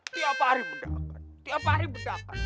tiap hari bedakan tiap hari mendapatkan